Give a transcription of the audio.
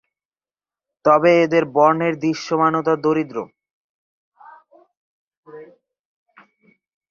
তবে এদের বর্ণের দৃশ্যমানতা দরিদ্র।